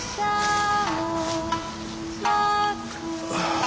ああ。